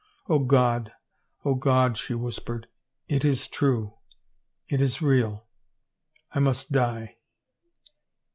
" O God, O God," she whispered, " it is true — it is real ... I must die."